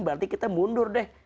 berarti kita mundur deh